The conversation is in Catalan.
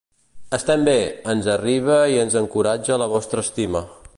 Estem bé, ens arriba i ens encoratja la vostra estima.